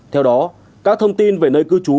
theo đó các thông tin về nơi cư trú